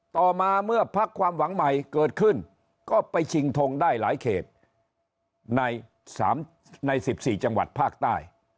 ต่อมาเมื่อพักความหวังใหม่เกิดขึ้นก็ไปชิงทงได้หลายเขตใน๑๔จังหวัดภาคใต้